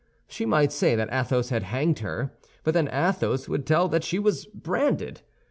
She might say that Athos had hanged her; but then Athos would tell that she was branded.